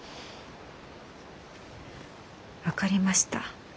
分かりました。